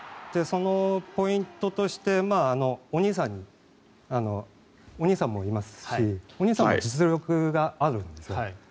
そのポイントとしてお兄さんもいますしお兄さんも実力があるんですよ。